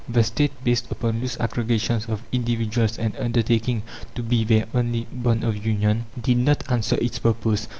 The State, based upon loose aggregations of individuals and undertaking to be their only bond of union, did not answer its purpose.